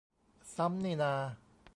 ซ้ำนี่นา